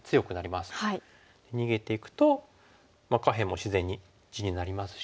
逃げていくと下辺も自然に地になりますし。